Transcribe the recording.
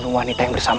aku akan menangkapmu